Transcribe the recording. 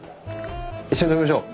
一緒に飲みましょう。